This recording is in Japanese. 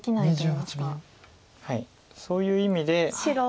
そういう意味で。